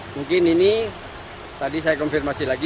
mungkin ini tadi saya konfirmasi lagi